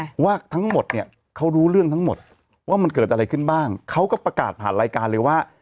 เพราะว่าทั้งหมดเนี่ยเขารู้เรื่องทั้งหมดว่ามันเกิดอะไรขึ้นบ้างเขาก็ประกาศผ่านรายการเลยว่า